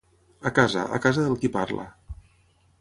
A casa, a casa del qui parla.